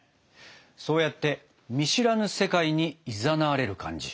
そうやって見知らぬ世界にいざなわれる感じ。